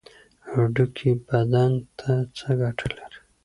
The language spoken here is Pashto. هډوکي بدن ته څه ګټه لري؟